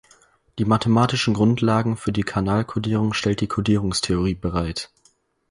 Die mathematischen Grundlagen für die Kanalkodierung stellt die Kodierungstheorie bereit.